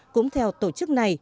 cũng theo tổ chức này